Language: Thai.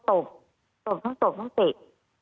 ตบทั้งตบทั้งติด